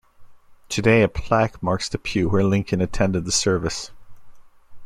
Today a plaque marks the pew where Lincoln attended the service.